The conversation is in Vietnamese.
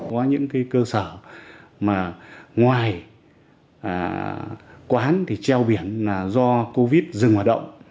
có những cơ sở ngoài quán treo biển do covid dừng hoạt động